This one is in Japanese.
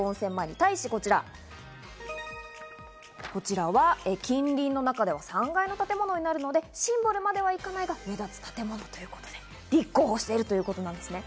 それに対しこちら、近隣の中では３階の建物になるのでシンボルまではいかないが、目立つ建物ということで立候補したということなんです。